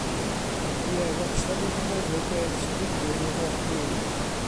Ac ie, wastad wedi meddwl beth sy'n digwydd i'r holl fwyd.